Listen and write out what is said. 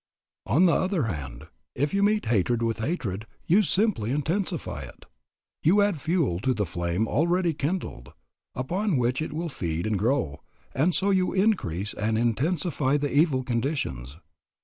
On the other hand, if you meet hatred with hatred, you simply intensify it. You add fuel to the flame already kindled, upon which it will feed and grow, and so you increase and intensify the evil conditions.